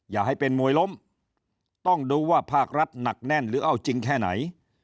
อย่าให้เป็นมวยล้มต้องดูว่าภาครัฐหนักแน่นหรือเอาจริงแค่ไหน